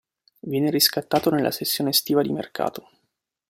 Viene riscattato nella sessione estiva di mercato.